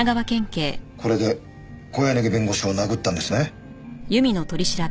これで小柳弁護士を殴ったんですね？